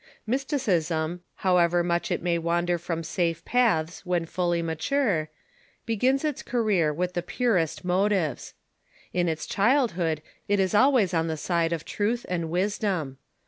Mysticism, how ever much it may Avander from safe paths when fully mature, begins its career with the purest motives. In its childhood it is always on the side of truth and wisdom.